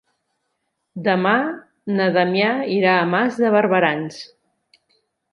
Demà na Damià irà a Mas de Barberans.